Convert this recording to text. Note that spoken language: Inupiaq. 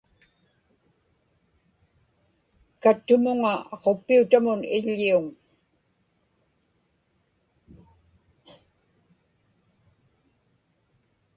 kattumuŋa aquppiutamun iḷḷiuŋ